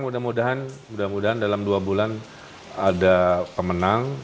mudah mudahan dalam dua bulan ada pemenang